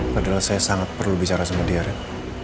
padahal saya sangat perlu bicara sama dia rad